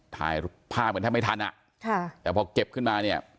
ถ่ายภาพกันแทบไม่ทันอ่ะค่ะแต่พอเก็บขึ้นมาเนี่ย